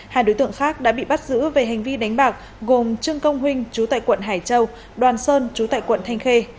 hai đối tượng khác đã bị bắt giữ về hành vi đánh bạc gồm trương công huynh chú tại quận hải châu đoàn sơn chú tại quận thanh khê